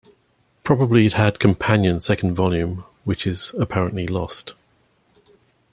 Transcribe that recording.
Probably it had companion second volume which is apparently lost.